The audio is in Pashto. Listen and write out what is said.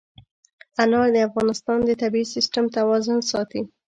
انار د افغانستان د طبعي سیسټم توازن ساتي.